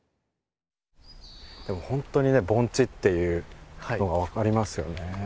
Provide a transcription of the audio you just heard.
本当にね盆地っていうのが分かりますよね。